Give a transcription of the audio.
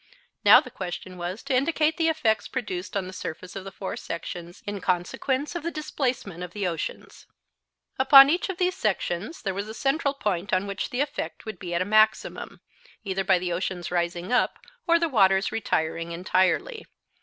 Now, the question was to indicate the effects produced on the surface of the four sections in consequence of the displacement of the oceans. Upon each of these sections there was a central point on which the effect would be at a maximum, either by the oceans rising up or by the waters retiring entirely.